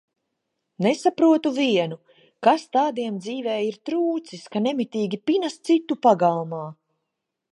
Nesaprotu vienu, kas tādiem dzīvē ir trūcis, ka nemitīgi pinas citu pagalmā?